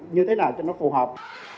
như thế nào cho nó phù hợp